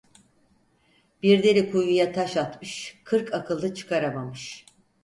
Bir deli kuyuya taş atmış, kırk akıllı çıkaramamış.